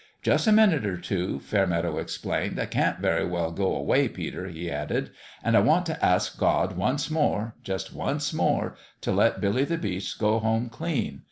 "Just a minute or two," Fairmeadow ex plained. " I can't very well go away, Peter," he added ;" and I want to ask God once more just once more to let Billy the Beast go home clean.